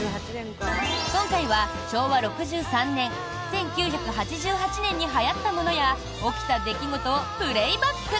今回は昭和６３年１９８８年にはやったものや起きた出来事をプレーバック。